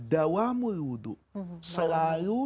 dawamul hudu selalu